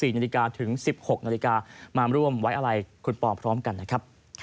๔นาฬิกาถึง๑๖นาฬิกามาร่วมไว้อะไรคุณปอพร้อมกันนะครับ